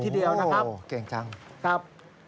ทีเดียวนะครับ